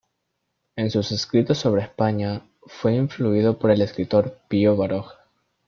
En sus escritos sobre España, fue influido por el escritor Pío Baroja.